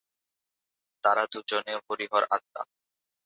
তারা দুজনে হরিহর আত্মা।